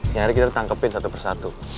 nyari kita tangkepin satu persatu